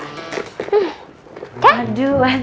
kita akan memiliki